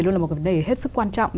luôn là một vấn đề hết sức quan trọng